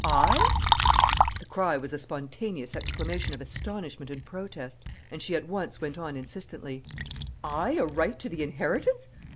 "I?" The cry was a spontaneous exclamation of astonishment and protest. And she at once went on, insistently: "I, a right to the inheritance?